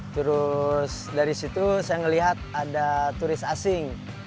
terus dari situ saya melihat ada turis asing